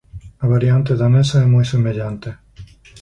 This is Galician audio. A variante danesa é moi semellante.